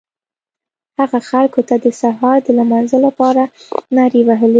هغه خلکو ته د سهار د لمانځه لپاره نارې وهلې.